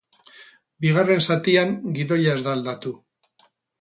Bigarren zatian, gidoia ez da aldatu.